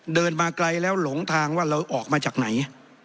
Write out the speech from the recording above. เดินมาไกลแล้วหลงทางว่าเราออกมาจากไหน